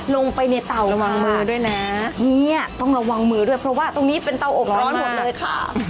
ลงไปในเตาค่ะนี่ต้องระวังมือด้วยเพราะว่าตรงนี้เป็นเตาอบร้อนหมดเลยค่ะร้อยมาก